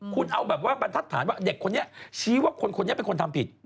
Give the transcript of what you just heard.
คุณเอาแบบว่าบรรทัดฐานว่าเด็กคนนี้ชี้ว่าคนนี้เป็นคนทำผิด